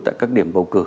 tại các điểm bầu cử